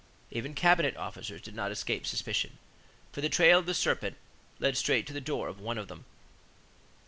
Even cabinet officers did not escape suspicion, for the trail of the serpent led straight to the door of one of them.